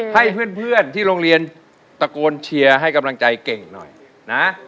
ให้เพื่อนที่โรงเรียนตะโกนเชียร์ให้กำลังใจเก่งหน่อยนะ